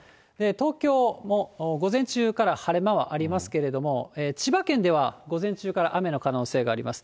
東京も午前中から晴れ間はありますけれども、千葉県では午前中から雨の可能性があります。